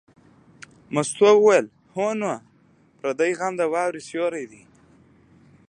مستو وویل: هو نو پردی غم د واورې سیوری دی.